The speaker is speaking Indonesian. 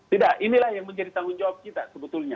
tidak inilah yang menjadi tanggung jawab kita sebetulnya